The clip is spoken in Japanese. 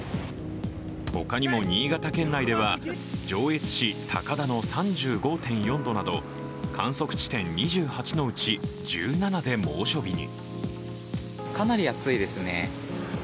他にも新潟県内では上越市高田の３５．４度など観測地点２８のうち１７で猛暑日に。